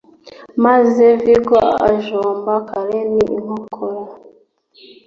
maze Viggo ajomba Karen inkokora